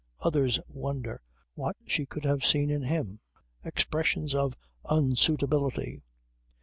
Others wonder what she could have seen in him? Expressions of unsuitability.